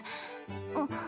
あっ。